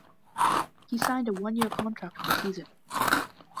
He signed a one-year contract for the season.